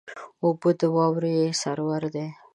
اوبه د واورې سرور دي.